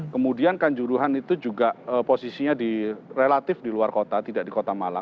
kemudian kanjuruhan itu juga posisinya relatif di luar kota tidak di kota malang